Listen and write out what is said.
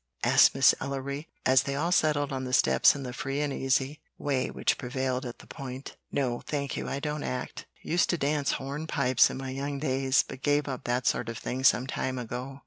asked Miss Ellery, as they all settled on the steps in the free and easy way which prevailed at the Point. "No, thank you, I don't act. Used to dance hornpipes in my young days, but gave up that sort of thing some time ago."